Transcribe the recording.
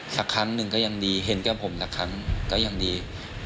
สักครั้งหนึ่งก็ยังดีเห็นกับผมสักครั้งก็ยังดี